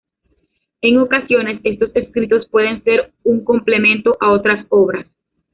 En ocasiones, estos escritos pueden ser un complemento a otras obras.